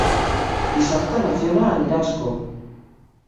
Dissabte na Fiona anirà a Ascó.